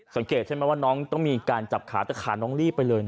สังเกตใช่ไหมว่าน้องต้องมีการจับขาแต่ขาน้องรีบไปเลยนะ